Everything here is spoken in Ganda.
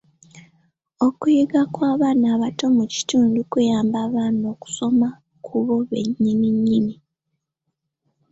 Okuyiga kw'abaana abato mu kitundu kuyamba abaana okusoma ku bo be nnyini nnyini.